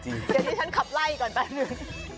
เดี๋ยวที่ฉันขับไล่ก่อนแป๊บนึง